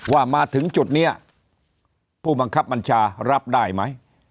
ว่ามาถึงจุดนี้ผู้บังคับบัญชารับได้ไหม